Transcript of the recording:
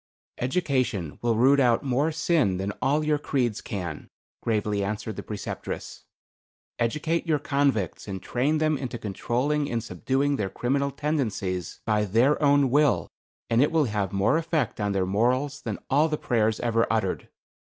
"Education will root out more sin than all your creeds can," gravely answered the Preceptress. "Educate your convicts and train them into controlling and subduing their criminal tendencies by their own will, and it will have more effect on their morals than all the prayers ever uttered.